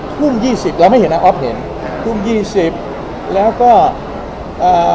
ทุ่มยี่สิบเราไม่เห็นนะอ๊อฟเห็นทุ่มยี่สิบแล้วก็อ่า